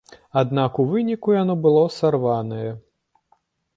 Аднак у выніку яно было сарванае.